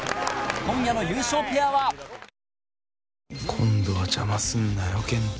今度は邪魔すんなよ、健斗。